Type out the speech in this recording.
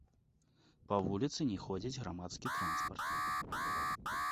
Па вуліцы не ходзіць грамадскі транспарт.